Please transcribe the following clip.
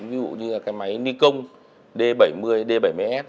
ví dụ như cái máy nikon d bảy mươi d bảy mươi s